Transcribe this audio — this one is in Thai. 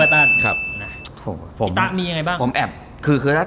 พี่ต้ามียังไงบ้าง